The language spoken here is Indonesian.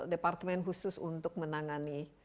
departemen khusus untuk menangani